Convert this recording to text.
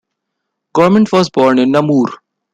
Gourmet was born in Namur.